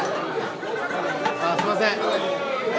あすいません。